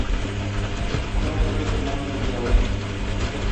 Son los tres hermanos de Claudine.